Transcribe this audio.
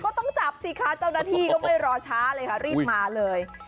ก็ต้องจับสิคะเจ้าหน้าที่ก็ไม่รอช้าเลยค่ะรีบมาเลย